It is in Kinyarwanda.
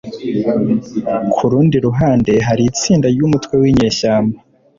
Ku rundi ruhande hari itsinda ry'umutwe w'Inyeshyamba